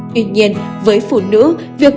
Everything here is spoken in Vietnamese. tuy nhiên với phụ nữ việc